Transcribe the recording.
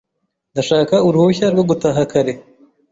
Ndashaka uruhushya rwo gutaha kare .